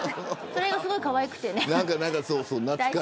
それがすごいかわいくてね。